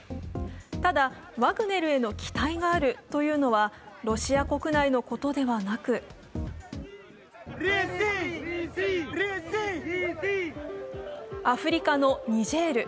ただ、ワグネルへの期待があるというのはロシア国内のことではなくアフリカのニジェール。